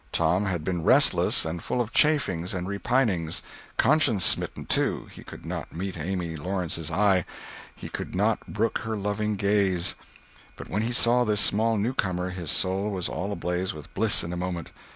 Tom had been restless and full of chafings and repinings; conscience smitten, too—he could not meet Amy Lawrence's eye, he could not brook her loving gaze. But when he saw this small newcomer his soul was all ablaze with bliss in a moment.